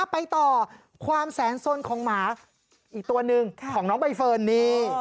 ไปต่อความแสนสนของหมาอีกตัวหนึ่งของน้องใบเฟิร์นนี่